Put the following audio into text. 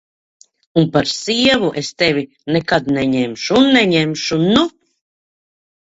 Un par sievu es tevi nekad neņemšu un neņemšu, nu!